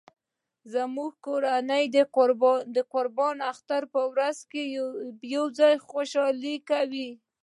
زموږ کورنۍ د قرباني اختر په ورځ یو ځای خوشحالي کوي